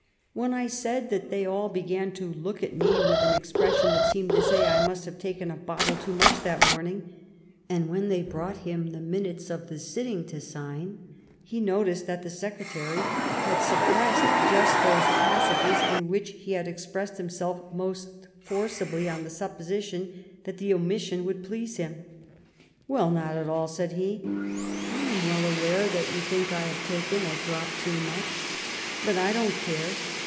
" When I said that they all began to look at me with an expression that seemed to say I must have taken a bottle too much that morning," and when they brought him the Minutes of the sitting to sign, he noticed that the secretary had sup pressed just those passages in which he had expressed himself most forcibly, on the supposition that the omission would please him. " Well, not at all," said he ;" I am well aware that you think I've taken a drop too much ; but I don't care.